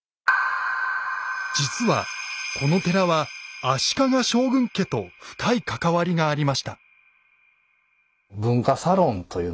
実はこの寺は足利将軍家と深い関わりがありました。